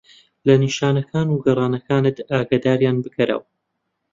لە نیشانەکان و گەرانەکانت ئاگاداریان بکەرەوە.